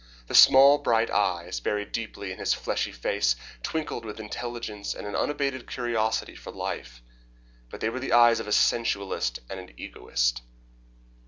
The small bright eyes, buried deeply in his fleshy face, twinkled with intelligence and an unabated curiosity of life, but they were the eyes of a sensualist and an egotist.